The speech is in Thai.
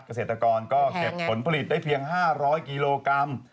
เกษตรกรก็เก็บผลผลิตได้เพียง๕๐๐กิโลกรัม